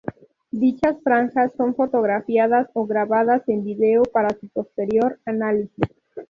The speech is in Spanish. Dichas franjas son fotografiadas o grabadas en vídeo para su posterior análisis.